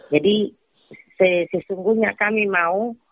jadi sesungguhnya kami mau